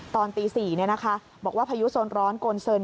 ตอนตี๔บอกว่าพายุโซนร้อนโกนเซิน